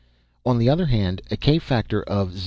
On the other hand, a k factor of 0.